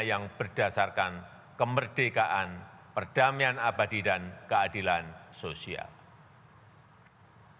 yang berdasarkan kemerdekaan perdamaian abadi dan keadilan sosial